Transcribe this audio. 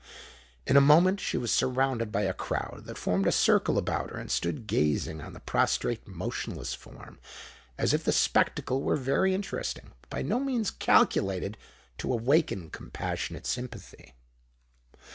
In a moment she was surrounded by a crowd, that formed a circle about her, and stood gazing on the prostrate, motionless form as if the spectacle were very interesting, but by no means calculated to awaken compassionate sympathy.